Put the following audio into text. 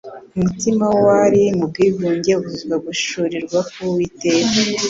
Umutima w'uwari mu bwigunge wuzuzwa guhishurirwa kw'Uwiteka